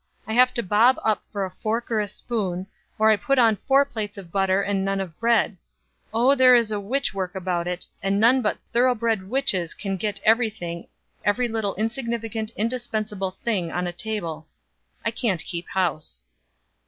I have to bob up for a fork or a spoon, or I put on four plates of butter and none of bread. Oh there is witch work about it, and none but thoroughbred witches can get every thing, every little insignificant, indispensable thing on a table. I can't keep house."